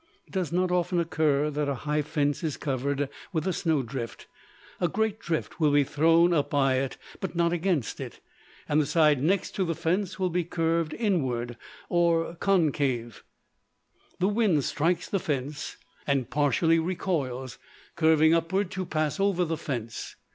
It does not often occur that a high fence is covered with a snow drift: a great drift will be thrown up by it, but not against it: and the side next the fence will be curved inward, or concave. The wind strikes the fence and partially recoils, curving upward to pass over the fence.